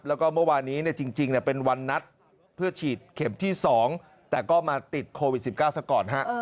แล้วก็เมื่อวานนี้จริงเป็นวันนัดเพื่อฉีดเข็มที่๒แต่ก็มาติดโควิด๑๙ซะก่อนฮะ